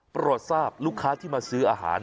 ตรวจทราบลูกค้าที่มาซื้ออาหาร